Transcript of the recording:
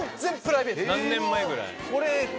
何年前ぐらい？